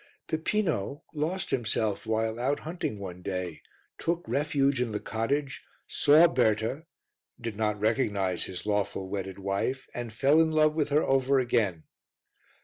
Pipino lost himself while out hunting one day, took refuge in the cottage, saw Berta, did not recognize his lawful, wedded wife and fell in love with her over again.